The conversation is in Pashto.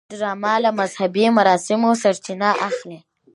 ډرامه له مذهبي مراسمو سرچینه اخلي